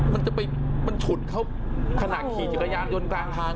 มันจะไปมันฉุดเขาขณะขี่จักรยานยนต์กลางทาง